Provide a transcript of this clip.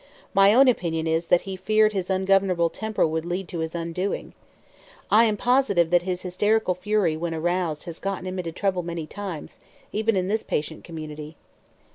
My own opinion is that he feared his ungovernable temper would lead to his undoing. I am positive that his hysterical fury, when aroused, has gotten him into trouble many times, even in this patient community."